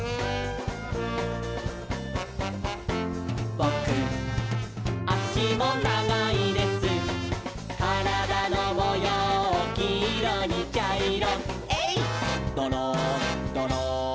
「ぼくあしもながいです」「からだのもようきいろにちゃいろ」「えいっどろんどろん」